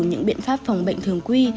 những biện pháp phòng bệnh thường quy